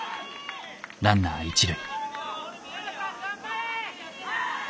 ランナー一塁。